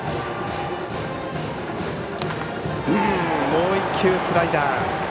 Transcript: もう１球スライダー。